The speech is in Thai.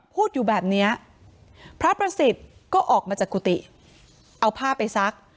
พูดอยู่แบบเนี้ยพระประสิทธิ์ก็ออกมาจากกุฏิเอาผ้าไปซัก